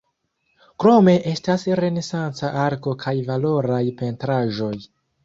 Krome estas renesanca arko kaj valoraj pentraĵoj.